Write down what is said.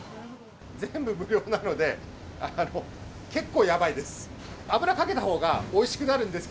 全部無料なので、結構やばいです。